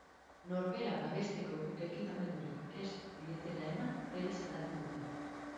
Norbera babesteko ekipamendurik ez dietela eman ere salatu dute.